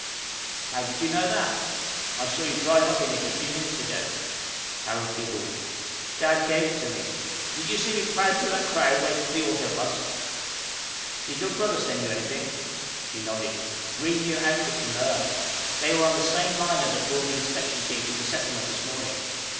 "How did you know that?" "I saw you drive up in it a few minutes ago." Carol giggled. "Dad gave it to me. Did you see me plow through that crowd waiting for the auto bus?" "Did your brother send you anything?" She nodded. "Three new outfits from Earth. They were on the same liner that brought the inspection team to the Settlement this morning.